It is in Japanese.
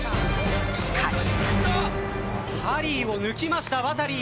しかし。